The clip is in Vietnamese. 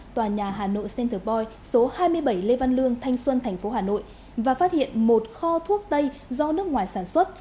tòa nhà hà nội centerboi số hai mươi bảy lê văn lương thanh xuân tp hà nội và phát hiện một kho thuốc tây do nước ngoài sản xuất